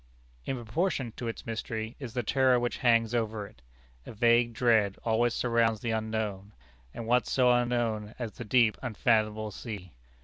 In proportion to its mystery is the terror which hangs over it. A vague dread always surrounds the unknown. And what so unknown as the deep, unfathomable sea?